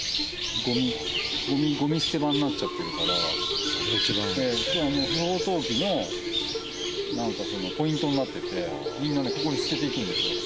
ごみ、ごみ捨て場になっちゃってるから、もう不法投棄のなんかそのポイントになってて、みんなね、ここに捨てていくんですよ。